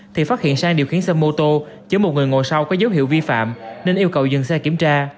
thì phát hiện sang điều khiển xe mô tô chở một người ngồi sau có dấu hiệu vi phạm nên yêu cầu dừng xe kiểm tra